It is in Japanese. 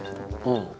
うん。